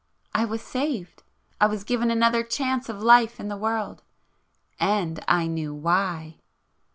I was saved,—I was given another chance of life in the world,—and I knew why!